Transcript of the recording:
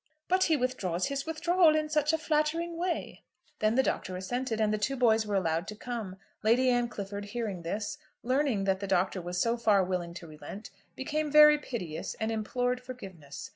"But he withdraws his withdrawal in such a flattering way!" Then the Doctor assented, and the two boys were allowed to come. Lady Anne Clifford hearing this, learning that the Doctor was so far willing to relent, became very piteous and implored forgiveness.